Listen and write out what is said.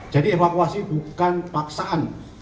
jadi evakuasi bukan paksaan